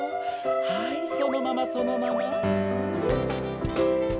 はいそのままそのまま。